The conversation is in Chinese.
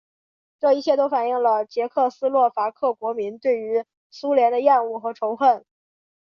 这一切都反映了捷克斯洛伐克国民对于苏联的厌恶和仇恨。